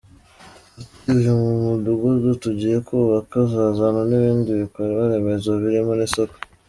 Ati “Uyu mudugudu tugiye kubaka uzazana n’ibindi bikorwaremezo birimo n’isoko”.